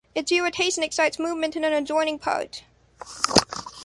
Its irritation excites movement in an adjoining part.